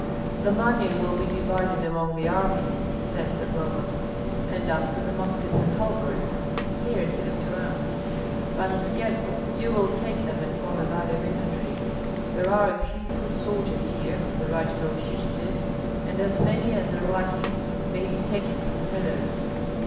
"The money will be divided among the army," said Zagloba; "and as to the muskets and halberts," here he looked around, "Pan Oskyerko, you will take them and form a body of infantry; there are a few foot soldiers here from the Radzivill fugitives, and as many as are lacking may be taken from the millers."